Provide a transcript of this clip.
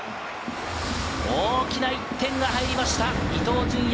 大きな１点が入りました、伊東純也。